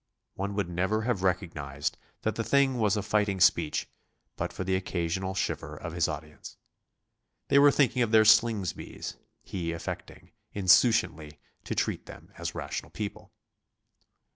One would never have recognised that the thing was a fighting speech but for the occasional shiver of his audience. They were thinking of their Slingsbys; he affecting, insouciantly, to treat them as rational people.